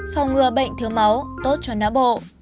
phòng ngừa bệnh thiếu máu tốt cho ná bộ